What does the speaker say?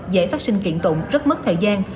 dễ phát sinh kiện tụng rất mất thời gian